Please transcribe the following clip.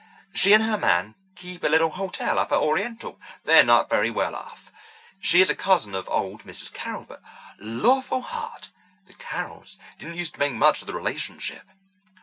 She and her man keep a little hotel up at Oriental. They're not very well off. She is a cousin of old Mrs. Carroll, but, lawful heart, the Carrolls didn't used to make much of the relationship!